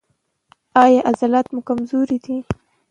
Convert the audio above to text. ایا عضلات مو کمزوري دي؟